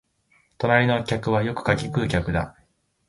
隣の客はよく柿喰う客だ